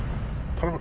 頼む！